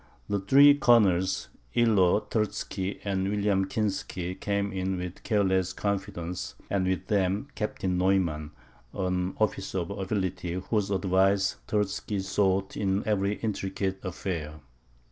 The three Colonels, Illo, Terzky, and William Kinsky, came in with careless confidence, and with them Captain Neumann, an officer of ability, whose advice Terzky sought in every intricate affair.